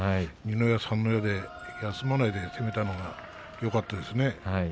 二の矢三の矢で休まないで攻めたのがよかったですね。